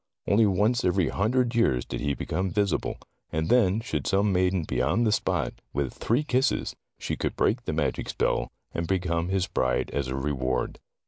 Only once every hundred years did he become visible, and then should some maiden be on the spot with three kisses she could break the magic spell, and become his bride as a reward.